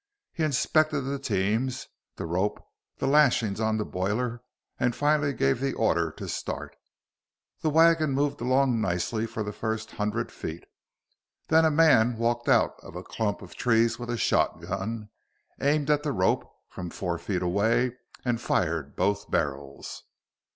He inspected the teams, the rope, the lashings on the boiler and finally gave the order to start. The wagon moved along nicely for the first hundred feet. Then a man walked out of a clump of trees with a shotgun, aimed at the rope from four feet away, and fired both barrels.